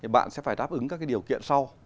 bạn sẽ phải đáp ứng các điều kiện sau